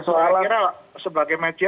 soalnya akhirnya sebagai media